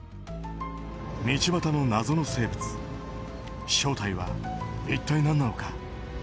道端の謎の生物正体は一体何なのか。